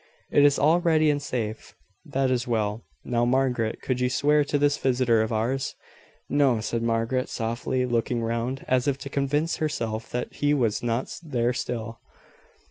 It is all ready and safe." "That is well. Now, Margaret, could you swear to this visitor of ours?" "No," said Margaret, softly, looking round, as if to convince herself that he was not there still.